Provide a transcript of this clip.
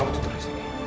kamu tutup disini